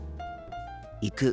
行く。